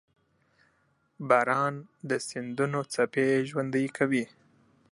• باران د سیندونو څپې ژوندۍ کوي.